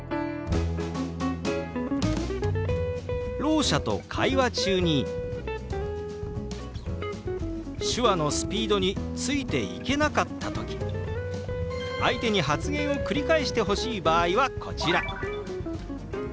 ろう者と会話中に手話のスピードについていけなかった時相手に発言を繰り返してほしい場合はこちら。